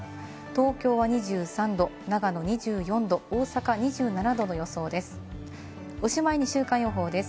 東京は２３度、長野２４度、大阪２７度の予想です。